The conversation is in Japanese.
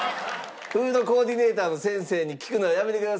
フードコーディネーターの先生に聞くのはやめてください。